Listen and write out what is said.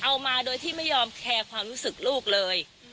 มาโดยที่ไม่ยอมแคร์ความรู้สึกลูกเลย